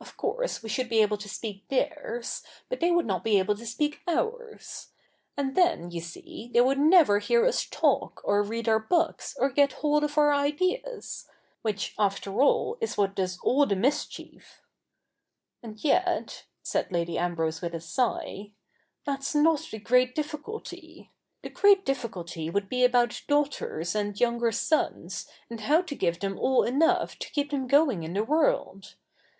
Of course we should be able to speak theirs, but they would not be able to speak ours. And then, you see, they would never hear us talk, or read our books, or get hold of our ideas ; which, after all, is what does all the mischief. And yet,' said Lady Ambrose with a sigh, ' that's not the p 226 THE NEW REPUBLIC [bk. iv great difficulty. The great difficulty would be about daughters and younger sons, and how to give them all enough to keep them going in the world.